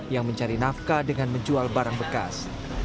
yang mencari nafkah dengan menjual barang bekas